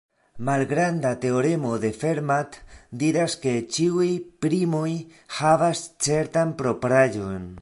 Malgranda teoremo de Fermat diras ke ĉiuj primoj havas certan propraĵon.